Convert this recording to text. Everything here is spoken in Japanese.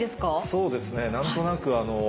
そうですね何となく。